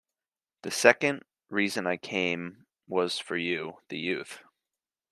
The second reason I came was for you, the youth.